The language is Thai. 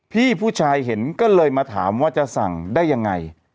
พี่ผู้ชายเห็นก็เลยมาถามว่าจะสั่งได้ยังไง